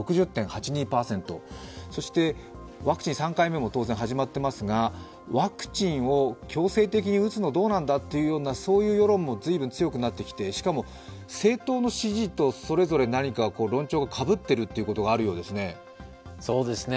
ワクチン３回目も始まっていますが、ワクチンを強制的に打つのはどうなんだという世論も随分強くなってきて、しかも、政党の支持と、それぞれ何か論調がかぶっているということがあるようですね。